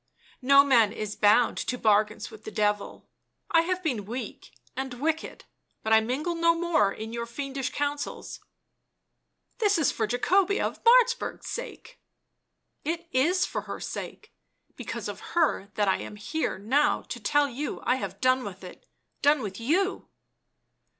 "No man is bound to bargains with the Devil ... I have been weak and wicked — but I mingle no more in your fiendish councils "" This is for Jacobea of Martzburg's sake." " It is for her sake — because of her that I am here now, to tell you I have done with it — done with you